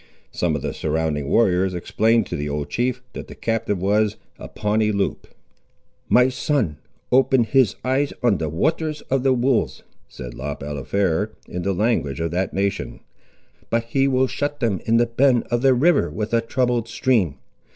Some of the surrounding warriors explained to the old chief, that the captive was a Pawnee Loup. "My son opened his eyes on the 'waters of the wolves,'" said Le Balafré, in the language of that nation, "but he will shut them in the bend of the 'river with a troubled stream.